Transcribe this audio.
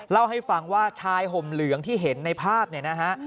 เล่าให้ฟังว่าชายห่มเหลืองที่เห็นในภาพเนี่ยนะฮะ